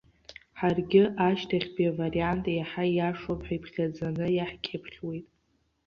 Ҳаргьы ашьҭахьтәи авариант еиҳа ииашоуп ҳәа иԥхьаӡаны иаҳкьыԥхьуеит.